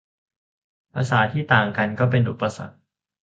ภาษาที่ต่างกันก็เป็นอุปสรรค